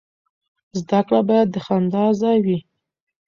زده کړه باید د خندا ځای وي.